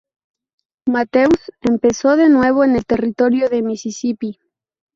Mathews empezó de nuevo en el Territorio de Misisipi.